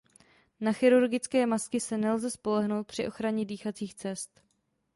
Na chirurgické masky se nelze spolehnout při ochraně dýchacích cest.